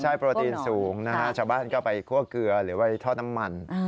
ใช่โปรตีนสูงนะฮะชาวบ้านก็ไปคั่วเกลือหรือไปทอดน้ำมัน